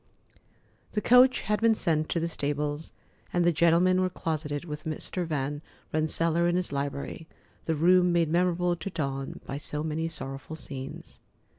The coach had been sent to the stables, and the gentlemen were closeted with Mr. Van Rensselaer in his library, the room made memorable to Dawn by so many sorrowful scenes.